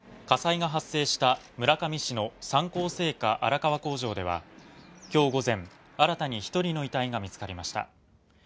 火災が発生した村上市の三幸製菓荒川工場では今日午前、新たに１人の遺体が見つかりました。